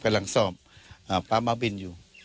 กำลังสอบพระม้าบินอยู่